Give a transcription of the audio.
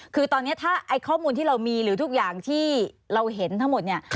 คือตอนนี้ถ้าไอ้ข้อมูลที่เรามีหรือทุกอย่างที่เราเห็นทั้งหมดเนี่ย